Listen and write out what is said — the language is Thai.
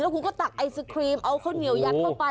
แล้วกูก็ตักไอร์สครีมเอาข้าวเหนียวยัดเข้าไป